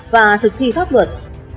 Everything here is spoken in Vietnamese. và thực thi pháp luật